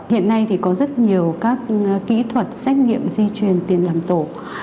hiện nay thì có rất nhiều các kỹ thuật xét nghiệm di truyền tiền làm tổ